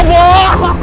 pak deh pak ustadz